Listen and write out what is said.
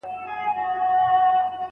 که ته په پوره پام املا ته وګورې.